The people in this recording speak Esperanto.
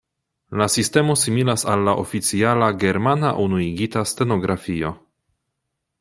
La sistemo similas al la oficiala Germana Unuigita Stenografio.